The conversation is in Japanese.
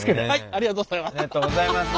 ありがとうございます。